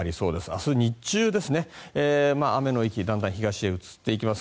明日日中、雨の域だんだん東に移っていきます。